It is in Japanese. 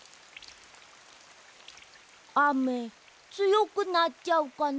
あめつよくなっちゃうかな。